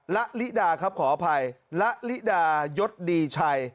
ละลิดาครับขออภัยละลิดายศดีชัย